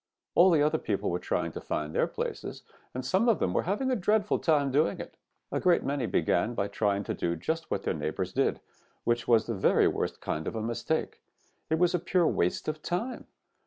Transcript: All the other people were trying to find their places, and some of them were having a dreadful time doing it. A great many began by trying to do just what their neighbors did, which was the very worst kind of a mistake. It was a pure waste of time.